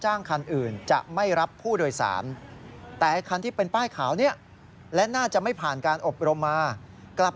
อ่าสาเหตุมันระยะทางมันประมาณร้อยเมตรใช่ไหมครับ